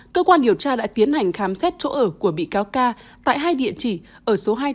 cơ quan điều tra đã tiến hành khám xét chỗ ở của bị cáo ca tại hai địa chỉ ở số hai mươi tám